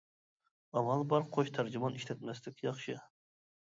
ئامال بار قوش تەرجىمان ئىشلەتمەسلىك ياخشى.